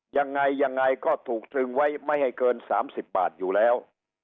ยังไงยังไงก็ถูกตรึงไว้ไม่ให้เกิน๓๐บาทอยู่แล้ว